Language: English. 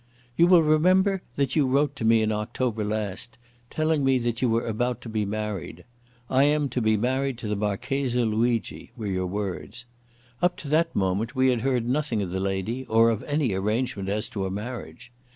"You will remember that you wrote to me in October last, telling me that you were about to be married. 'I am to be married to the Marchesa Luigi,' were your words. Up to that moment we had heard nothing of the lady or of any arrangement as to a marriage.